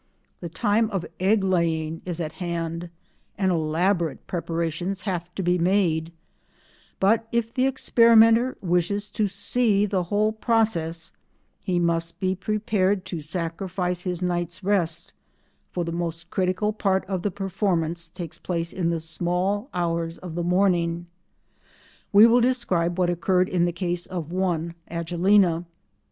The time of egg laying is at hand and elaborate preparations have to be made, but if the experimenter wishes to see the whole process he must be prepared to sacrifice his night's rest, for the most critical part of the performance takes place in the small hours of the morning. We will describe what occurred in the case of one Agelena.